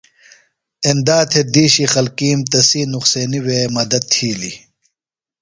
ایندا تھےۡ دِیشی خلکِیم تسی نُقصینیۡ وے مدد تِھیلیۡ۔